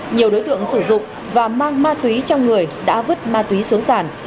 nhiều đối tượng sử dụng và mang ma túy trong người đã vứt ma túy xuống sản